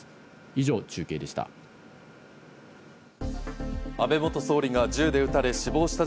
以上、中継でした。